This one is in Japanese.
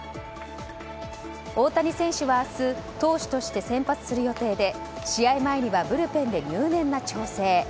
大谷選手は明日投手として先発する予定で試合前にはブルペンで入念な調整。